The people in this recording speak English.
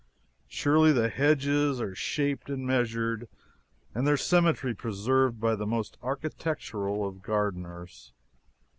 Surely the hedges are shaped and measured and their symmetry preserved by the most architectural of gardeners.